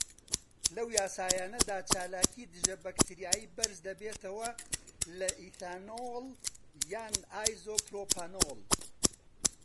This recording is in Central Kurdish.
لەو یاسایانەدا، چالاکی دژەبەکتریایی بەرزدەبێتەوە لە ئیثانۆڵ یان ئایزۆپڕۆپانۆڵ.